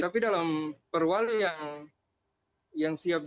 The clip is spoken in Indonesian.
tapi dalam perwali yang siap